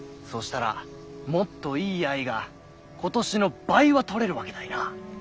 そしたらもっといい藍が今年の倍はとれるわけだいなぁ。